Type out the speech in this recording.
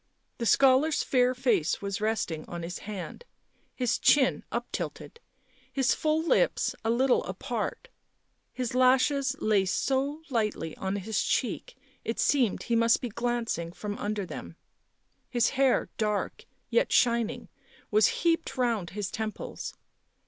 The scholar's fair face was resting on his hand, his chin up tilted, his full lips a little apart ; his lashes lay so lightly on his cheek it seemed he must be glancing from under them ; his hair, dark, yet shin ing, was heaped round his temples.